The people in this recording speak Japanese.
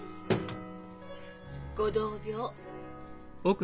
ご同病。